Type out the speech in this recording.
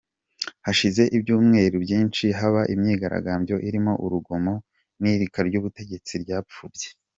Hashize ibyumweru byinshi haba imyigaragambyo irimo urugomo n'ihirika ry'ubutegetsi ryapfubye.